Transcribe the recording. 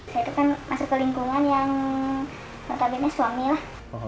saya itu kan masuk ke lingkungan yang notabene suami lah